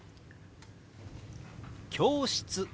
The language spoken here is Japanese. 「教室」。